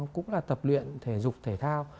cũng là tập luyện thể dục thể thao